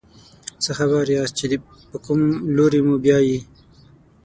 څه خبر یاست چې په کوم لوري موبیايي.